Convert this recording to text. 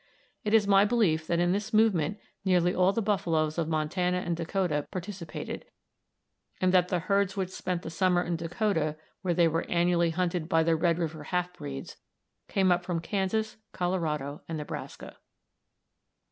It is my belief that in this movement nearly all the buffaloes of Montana and Dakota participated, and that the herds which spent the summer in Dakota, where they were annually hunted by the Red River half breeds, came up from Kansas, Colorado, and Nebraska.